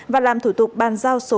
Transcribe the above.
và làm thủ tục ban giao số